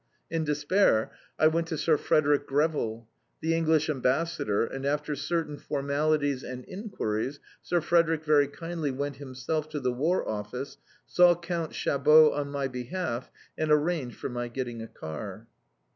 In despair I went to Sir Frederick Greville, the English Ambassador, and after certain formalities and inquiries, Sir Frederick very kindly went himself to the War Office, saw Count Chabeau on my behalf, and arranged for my getting a car.